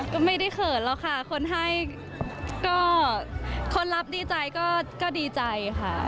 ก็ไม่ได้เขินหรอกค่ะคนให้ก็คนรับดีใจก็ดีใจค่ะ